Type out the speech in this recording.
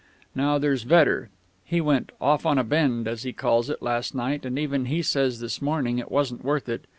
Now there's Vedder; he 'went off on a bend,' as he calls it, last night, and even he says this morning it wasn't worth it.